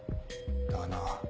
だな。